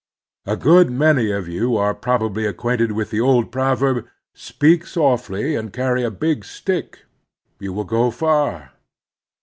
A good many of you are prob ably acquainted with the old proverb: "Speak softly and carry a big stick — ^you will go far."